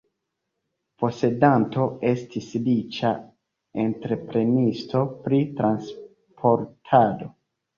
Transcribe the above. Posedanto estis riĉa entreprenisto pri transportado.